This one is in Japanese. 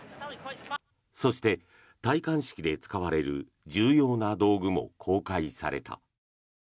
そして、戴冠式で使われる重要な道具も公開された。